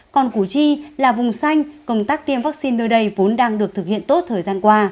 còn củ chi là vùng xanh công tác tiêm vaccine nơi đây vốn đang được thực hiện tốt thời gian qua